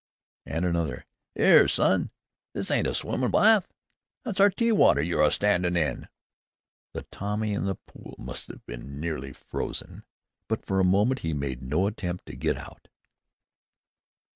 And another, "'Ere, son! This ain't a swimmin' bawth! That's our tea water yer a standin' in!" The Tommy in the pool must have been nearly frozen, but for a moment he made no attempt to get out.